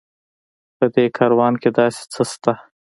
په دې کاروان کې داسې څه شته.